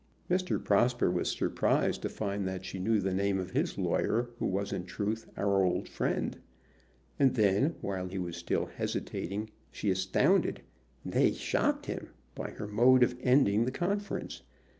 Mr. Prosper was surprised to find that she knew the name of his lawyer, who was in truth our old friend. And then, while he was still hesitating, she astounded, nay, shocked him by her mode of ending the conference.